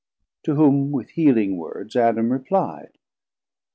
To whom with healing words Adam reply'd.